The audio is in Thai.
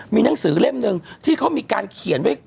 มีหนังสือเล่มหนึ่งที่เขามีการเขียนไว้